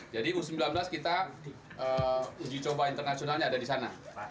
jadi u sembilan belas kita uji coba internasionalnya ada di sana